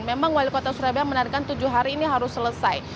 memang wali kota surabaya menarikkan tujuh hari ini harus selesai